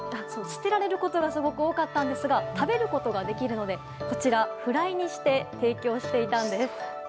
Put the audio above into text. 捨てられることがすごく多かったんですが食べることができるためフライにして提供していたんです。